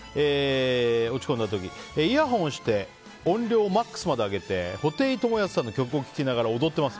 落ち込んだ時、イヤホンをして音量をマックスまで上げて布袋寅泰さんの曲を聴きながら踊っています。